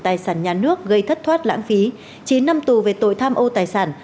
tài sản nhà nước gây thất thoát lãng phí chín năm tù về tội tham ô tài sản